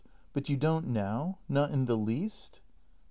But you don't now? Not in the least?